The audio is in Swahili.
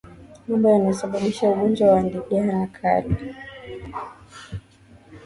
Mambo yanayosababisha ugonjwa wa ndigana kali